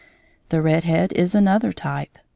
The red head is another type.